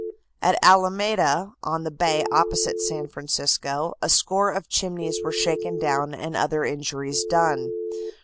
At Alameda, on the bay opposite San Francisco, a score of chimneys were shaken down and other injuries done.